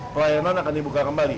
pelayanan akan dibuka kembali